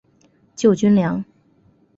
救军粮